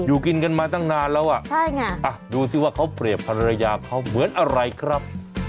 อยู่กินกันมาตั้งนานแล้วอ่ะใช่ไงดูสิว่าเขาเปรียบภรรยาเขาเหมือนอะไรครับ